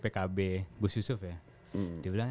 pkb gus yusuf ya